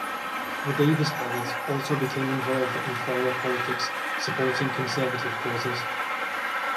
The Davis brothers also became involved in Florida politics, supporting conservative causes.